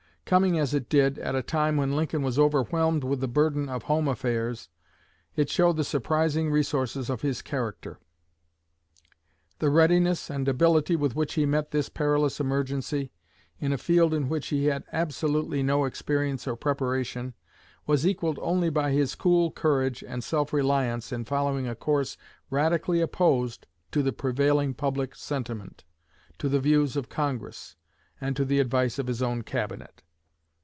Coming, as it did, at a time when Lincoln was overwhelmed with the burden of home affairs, it showed the surprising resources of his character. The readiness and ability with which he met this perilous emergency, in a field in which he had had absolutely no experience or preparation, was equaled only by his cool courage and self reliance in following a course radically opposed to the prevailing public sentiment, to the views of Congress, and to the advice of his own Cabinet.